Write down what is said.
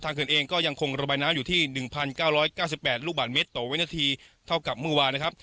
ทางเกิดเองก็ยังคงระบายน้ำอยู่ที่หนึ่งพันเก้าร้อยเก้าสิบแปดลูกบาทเมตรต่อวินาทีเท่ากับเมื่อวานนะครับ